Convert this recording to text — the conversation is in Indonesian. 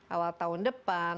awal tahun depan